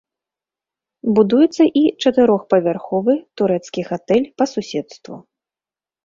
Будуецца і чатырохпавярховы турэцкі гатэль па суседству.